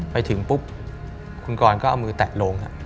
ไปถึงปุ๊บคุณกรก็เอามือแตะลง